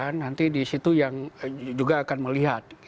nanti di situ yang juga akan melihat